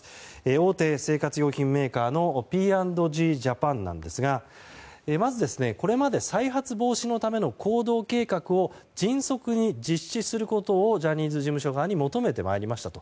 大手生活用品メーカーのＰ＆Ｇジャパンなんですがまずこれまで再発防止のための行動計画を迅速に実施することをジャニーズ事務所側に求めてまいりましたと。